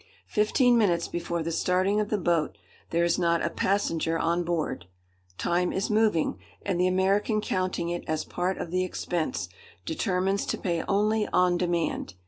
Fifteen minutes before the starting of the boat, there is not a passenger on board; "time is moving," and the American counting it as part of the expense, determines to pay only "on demand."